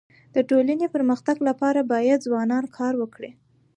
د ټولني د پرمختګ لپاره باید ځوانان کار وکړي.